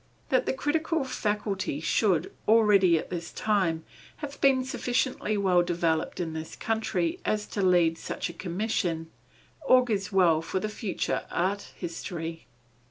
That the critical faculty should, already at that time, have been sufficiently well developed in this country as to lead to such a commission, augurs well for its future art history.